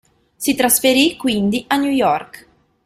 Si trasferì quindi a New York.